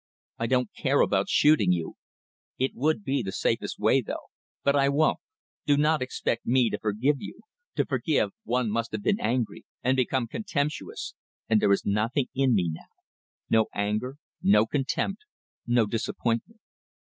I don't care about shooting you. It would be the safest way though. But I won't. Do not expect me to forgive you. To forgive one must have been angry and become contemptuous, and there is nothing in me now no anger, no contempt, no disappointment.